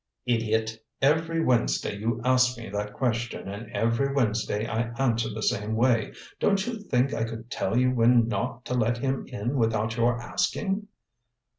"Idiot! Every Wednesday you ask me that question, and every Wednesday I answer the same way. Don't you think I could tell you when not to let him in without your asking?"